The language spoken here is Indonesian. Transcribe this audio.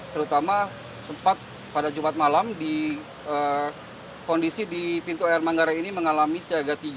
terutama sempat pada jumat malam kondisi di pintu air manggarai ini mengalami siaga tiga